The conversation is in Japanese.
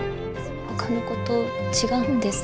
ほかの子と違うんです。